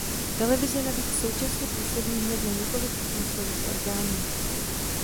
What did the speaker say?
Televize navíc současně působí hned na několik smyslových orgánů.